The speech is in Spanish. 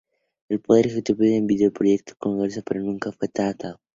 El Poder Ejecutivo envió el proyecto al Congreso, pero nunca fue tratado.